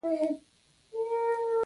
عادي خلک له قهوه یي خټو جوړ شول.